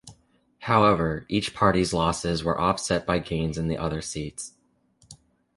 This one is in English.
However, each party's losses were offset by gains in other seats.